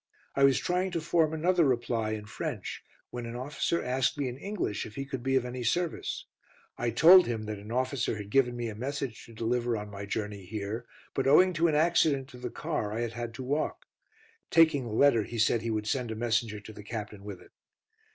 I was trying to form another reply in French, when an officer asked me in English if he could be of any service. I told him that an officer had given me a message to deliver on my journey here, but owing to an accident to the car I had had to walk. Taking the letter, he said he would send a messenger to the Captain with it.